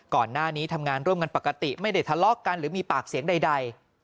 ก่อนหน้านี้ทำงานร่วมกันปกติไม่ได้ทะเลาะกันหรือมีปากเสียงใด